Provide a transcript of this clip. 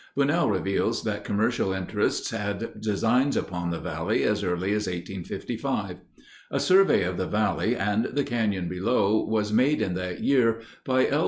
Bunnell reveals that commercial interests had designs upon the valley as early as 1855. A survey of the valley and the canyon below was made in that year by L.